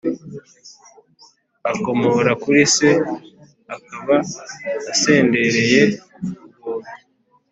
akomora kuri se, akaba asendereye ubuntu